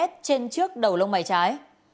trên trước đầu lông mày trái